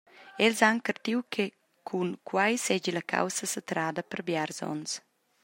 Els han cartiu che cun quei seigi la caussa satrada per biars onns.